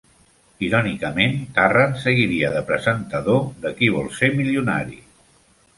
Irònicament Tarrant seguiria de presentador de Qui vol ser milionari?